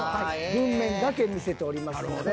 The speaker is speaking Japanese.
文面だけ見せておりますので。